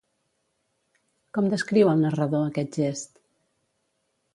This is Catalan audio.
Com descriu el narrador aquest gest?